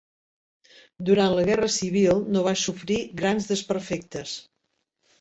Durant la Guerra Civil no va sofrir grans desperfectes.